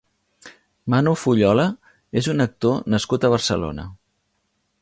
Manu Fullola és un actor nascut a Barcelona.